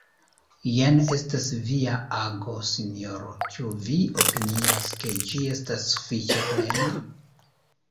Jen estas via ago, sinjoro: ĉu vi opinias, ke ĝi estas sufiĉe plena?